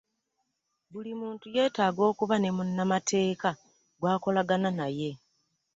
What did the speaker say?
Buli muntu yeetaaga okuba ne munnamateeka gw'akolagana naye.